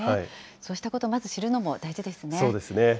そうしたことをまず知るのも大事そうですね。